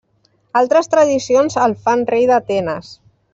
Altres tradicions el fan rei d'Atenes.